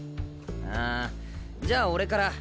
あじゃあ俺から。